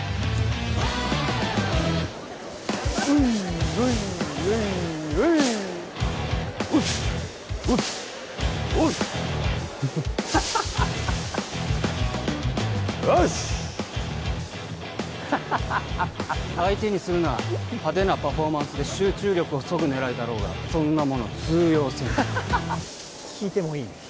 ういよいよいよいおすおすおすハハハハよしハハハハ相手にするな派手なパフォーマンスで集中力をそぐ狙いだろうがそんなもの通用せんハハハハ聞いてもいい？